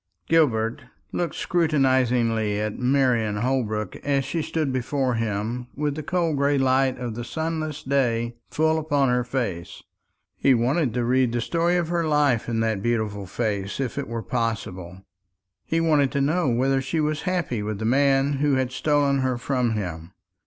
Gilbert looked scrutinisingly at Marian Holbrook as she stood before him with the cold gray light of the sunless day full upon her face. He wanted to read the story of her life in that beautiful face, if it were possible. He wanted to know whether she was happy with the man who had stolen her from him.